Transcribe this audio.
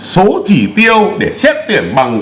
số chỉ tiêu để xét tuyển bằng